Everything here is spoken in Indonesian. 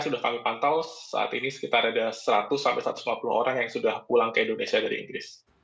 sudah kami pantau saat ini sekitar ada seratus satu ratus lima puluh orang yang sudah pulang ke indonesia dari inggris